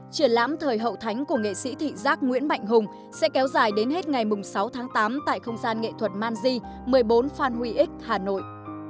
triển lãm thời hậu thánh của nghệ sĩ thị giác nguyễn mạnh hùng sẽ kéo dài đến hết ngày sáu tháng tám tại không gian nghệ thuật man di một mươi bốn phan huy ích hà nội